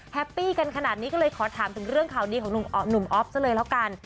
ปี้กันขนาดนี้ก็เลยขอถามถึงเรื่องข่าวดีของหนุ่มอ๊อฟซะเลยแล้วกัน